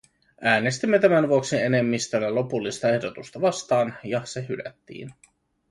Äänestimme tämän vuoksi enemmistöllä lopullista ehdotusta vastaan, ja se hylättiin.